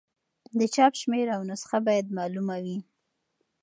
د چاپ شمېر او نسخه باید معلومه وي.